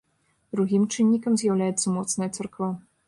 Другім чыннікам з'яўляецца моцная царква.